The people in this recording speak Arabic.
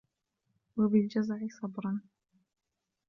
وَبِالْجَزَعِ صَبْرًا